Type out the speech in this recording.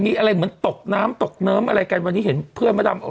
มีอะไรเหมือนตกน้ำตกเนิ้มอะไรกันวันนี้เห็นเพื่อนมาดำ